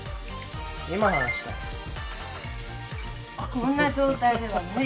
こんな状態では無理。